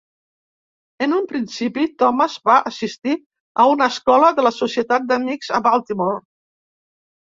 En un principi, Thomas va assistir a una escola de la Societat d'Amics a Baltimore.